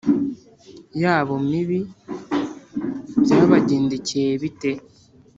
yabo mibi byabagendekeye bite